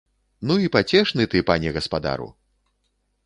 Ну і пацешны ты, пане гаспадару!